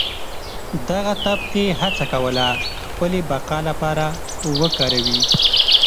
دغه طبقې هڅه کوله خپلې بقا لپاره وکاروي.